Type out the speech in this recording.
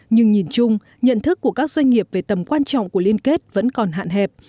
nhưng nhìn chung nhận thức của các doanh nghiệp về tầm quan trọng của liên kết vẫn còn hạn hẹp